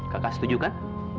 kakak setuju kan